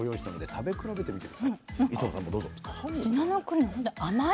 食べ比べてみて。